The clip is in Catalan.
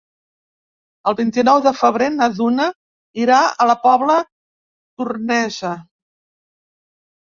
El vint-i-nou de febrer na Duna irà a la Pobla Tornesa.